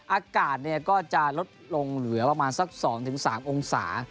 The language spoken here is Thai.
อากาศก็จะลดลงเหลือประมาณสัก๒๓องศา